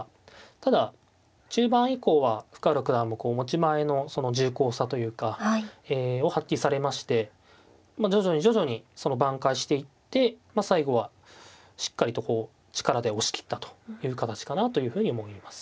ただ中盤以降は深浦九段もこう持ち前の重厚さというかえを発揮されまして徐々に徐々に挽回していって最後はしっかりとこう力で押し切ったという形かなというふうに思います。